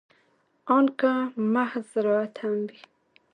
ان که محض زراعت هم وي.